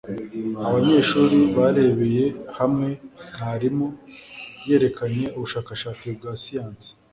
abanyeshuri barebeye hamwe mwarimu yerekanye ubushakashatsi bwa siyanse